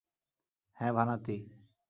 হ্যাঁ, ভানাতি।